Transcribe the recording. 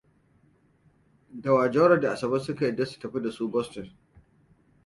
Da wa Jauro da Asabe suka yarda za su tafi da su Boston?